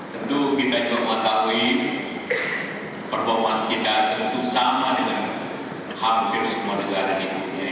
tentu kita juga mengetahui performance kita tentu sama dengan hampir semua negara di dunia